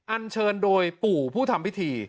อันเชิญโดยปู่ผู้ทำพิธี